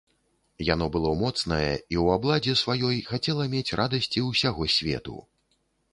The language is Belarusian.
Яно было моцнае і ў абладзе сваёй хацела мець радасці ўсяго свету.